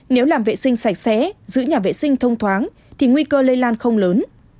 nếu làm vệ sinh sạch sẽ giữ nhà vệ sinh thông thoáng thì nguy cơ lây lan không lớn